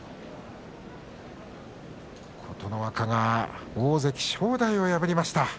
琴ノ若が大関正代を破りました。